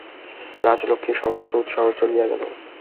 রাজলক্ষ্মীর সমস্ত উৎসাহ চলিয়া গেল।